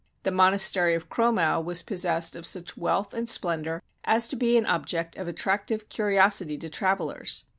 The monastery of Cromau was possessed of such wealth and splendor as to be an object of attractive curiosity to travelers.